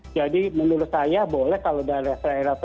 jadi menurut saya boleh kalau dari daerah daerah